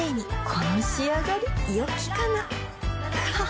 この仕上がりよきかなははっ